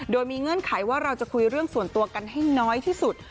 โดยมีเงื่อนไขว่าเราจะคุยเรื่องส่วนตัวกันให้น้อยที่สุด